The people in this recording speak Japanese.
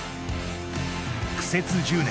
苦節１０年